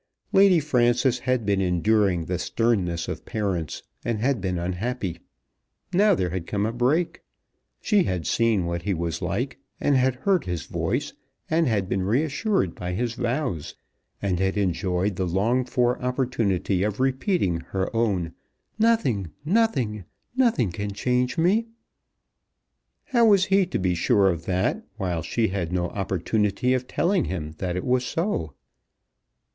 Lady Frances had been enduring the sternness of parents, and had been unhappy. Now there had come a break. She had seen what he was like, and had heard his voice, and been reassured by his vows, and had enjoyed the longed for opportunity of repeating her own. "Nothing, nothing, nothing can change me!" How was he to be sure of that while she had no opportunity of telling him that it was so?